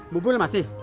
bu bun masih